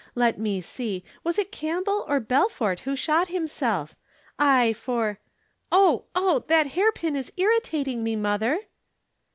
Let me see, was it Campbell or Belfort who shot himself? I for oh! oh! that hairpin is irritating me, mother."